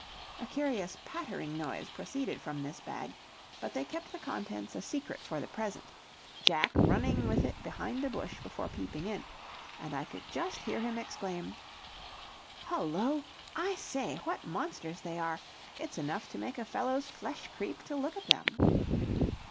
A curious pattering noise proceeded from this bag, but they kept the contents a secret for the present, Jack running with it behind a bush before peeping in, and I could just hear him exclaim: "Hullo! I say, what monsters they are. It's enough to make a fellow's flesh creep to look at them!"